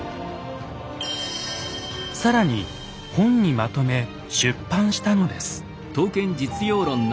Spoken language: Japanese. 更に本にまとめ出版したのです。